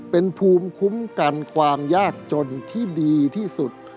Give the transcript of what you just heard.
เป็นภูมิคุ้มกันความยากจนที่ดีที่สุด